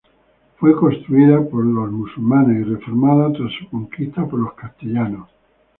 Fue construida por los musulmanes y reformada tras su conquista por los castellanos.